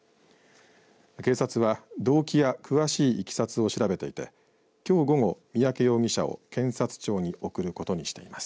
警察は、動機や詳しいいきさつを調べていてきょう午後三宅容疑者を検察庁に送ることにしています。